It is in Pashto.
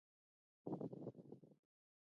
ایا ستاسو سترګې بینا نه دي؟